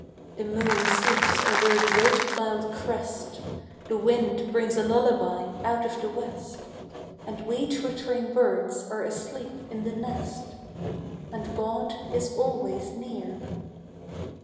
The moon slips over a great cloud crest, The wind brings a lullaby out of the west, And wee twitt'ring birds are asleep in the nest, And God is always near.